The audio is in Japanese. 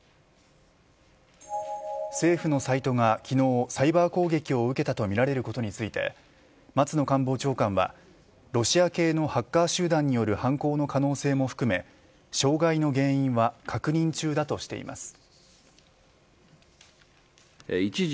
政府のサイトが昨日サイバー攻撃を受けたとみられることについて松野官房長官はロシア系のハッカー集団による犯行の可能性も含め障害の原因は確認中だとしています。